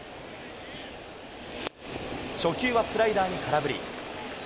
初球はスライダーに空振り。